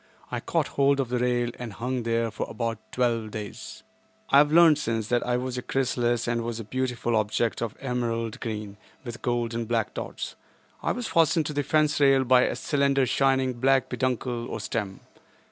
I caught hold of the rail and hung there for about twelve days. I have learned since, that I was a chrysalis and was a beautiful object of emerald green, with gold and black dots. 163 I was fastened to the fence rail by a slender shining black peduncle, or stem.